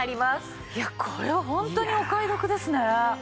いやこれは本当にお買い得ですね。